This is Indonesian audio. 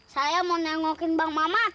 saya mau nengokin bang mamat